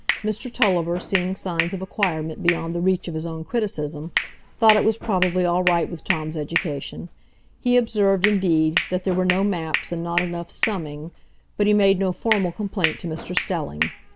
Mr Tulliver, seeing signs of acquirement beyond the reach of his own criticism, thought it was probably all right with Tom's education; he observed, indeed, that there were no maps, and not enough "summing"; but he made no formal complaint to Mr Stelling.